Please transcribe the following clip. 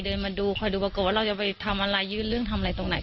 เดินมาดูคอยดูปรากฏว่าเราจะไปทำอะไรยื่นเรื่องทำอะไรตรงไหน